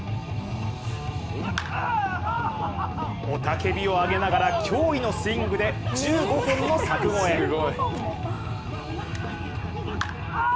雄たけびを上げながら驚異のスイングで１５本の柵越え。